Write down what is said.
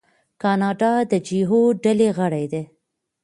کاناډا د جي اوه ډلې غړی دی.